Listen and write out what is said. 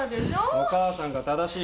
お母さんが正しい。